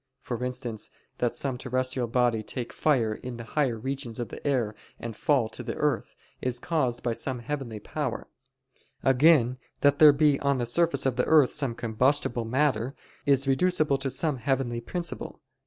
For instance, that some terrestrial body take fire in the higher regions of the air and fall to the earth, is caused by some heavenly power: again, that there be on the surface of the earth some combustible matter, is reducible to some heavenly principle.